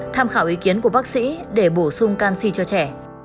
tham khảo ý kiến của bác sĩ để bổ sung canxi cho trẻ